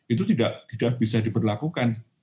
itu tidak bisa diperlakukan